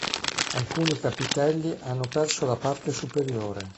Alcuni capitelli hanno perso la parte superiore.